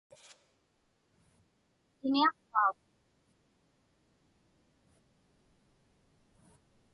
Atiniaqpauŋ?